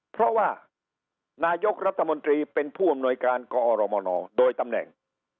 เพราะว่านายกรัฐมนตรีเป็นผู้อำนวยการกอรมนโดยตำแหน่ง